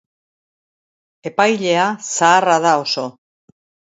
Epailea zaharra da, oso.